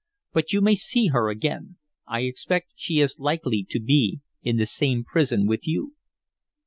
But you may see her again. I expect she is likely to be in the same prison with you."